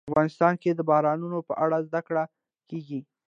افغانستان کې د بارانونو په اړه زده کړه کېږي.